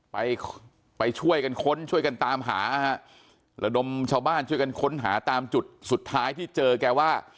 ไปไปช่วยกันค้นช่วยกันตามหานะฮะระดมชาวบ้านช่วยกันค้นหาตามจุดสุดท้ายที่เจอแกว่า